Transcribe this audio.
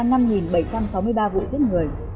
vụ giết người